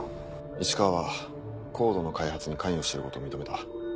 市川はＣＯＤＥの開発に関与してることを認めた。